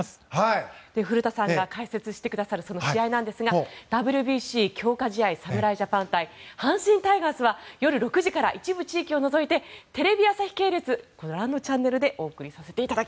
古田さんが解説してくださる試合ですがＷＢＣ強化試合侍ジャパン対阪神タイガースは夜６時から一部地域を除いてテレビ朝日系列ご覧のチャンネルでお送りします。